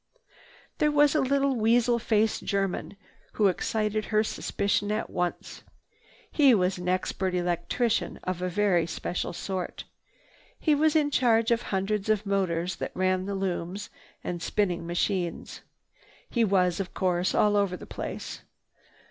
There was a little weasel faced German who excited her suspicion at once. He was an expert electrician of a very special sort. He was in charge of the hundreds of motors that ran the looms and spinning machines. He was, of course, all over the place.